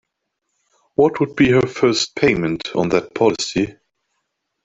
What would be her first payment on that policy?